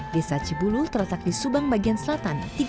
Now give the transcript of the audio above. desa cibulu terletak di subang bagian selatan